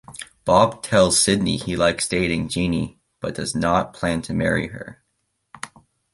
Bob tells Sidney he likes dating Jeanie, but does not plan to marry her.